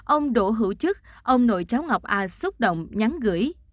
ông đỗ hữu chức ông nội cháu ngọc a xúc động nhắn gửi